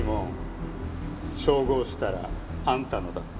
照合したらあんたのだった。